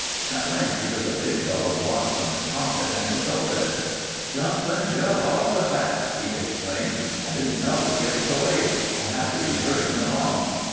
At length he took a big dollar watch from his pocket and consulted it. "Jumpin' Jehoshaphat!" he exclaimed. "I didn't know it was gettin' so late. I'll have to be hurryin' along.